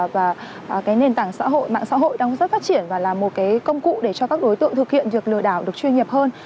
và cái nền tảng xã hội mạng xã hội đang rất phát triển và là một cái công cụ để cho các đối tượng thực hiện việc lừa đảo được chuyên nghiệp hơn